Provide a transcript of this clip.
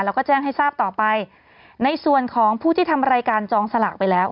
แล้วก็แจ้งให้ทราบต่อไปในส่วนของผู้ที่ทำรายการจองสลากไปแล้ว